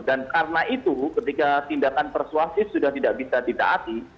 dan karena itu ketika tindakan persuasif sudah tidak bisa ditaati